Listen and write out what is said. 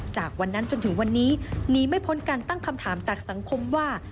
จากวันนั้นจนถึงวันนี้หนีไม่พ้นการตั้งคำถามจากสังคมว่า